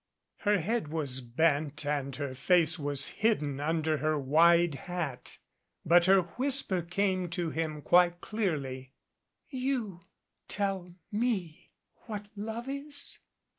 Her head was bent and her face was hidden under her wide hat, but her whisper came to him quite clearly. "You tell me what love is?